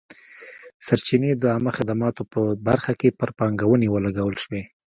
سرچینې د عامه خدماتو په برخه کې پر پانګونې ولګول شوې.